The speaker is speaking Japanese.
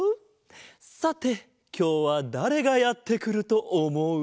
さてきょうはだれがやってくるとおもう？